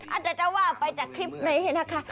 อาจจะจะว่าไปจากคลิปนี้นะคะ